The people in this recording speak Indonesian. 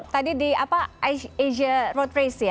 tadi di asia road race ya